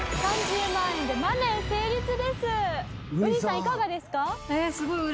いかがですか？